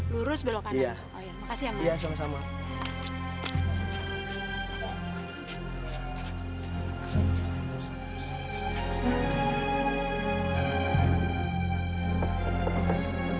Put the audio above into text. lurus belok kanan